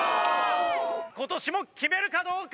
今年も決めるかどうか！